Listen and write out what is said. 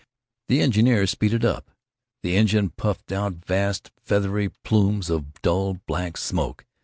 The engineer speeded up; the engine puffed out vast feathery plumes of dull black smoke.